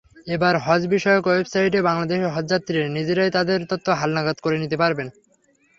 এবার হজবিষয়ক ওয়েবসাইটে বাংলাদেশের হজযাত্রীরা নিজেরাই তাঁদের তথ্য হালনাগাদ করে নিতে পারবেন।